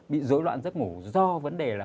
bị dối loạn giấc ngủ do vấn đề là